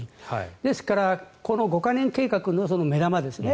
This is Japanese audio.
ですからこの五カ年計画の目玉ですね